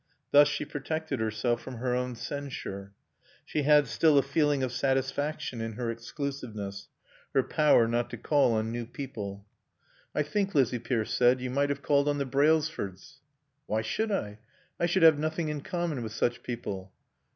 Thus she protected herself from her own censure. She had still a feeling of satisfaction in her exclusiveness, her power not to call on new people. "I think," Lizzie Pierce said, "you might have called on the Brailsfords." "Why should I? I should have nothing in common with such people."